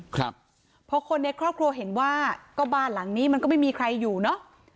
ครับพอคนในครอบครัวเห็นว่าก็บ้านหลังนี้มันก็ไม่มีใครอยู่เนอะ